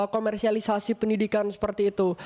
komersialisasi pendidikan seperti itu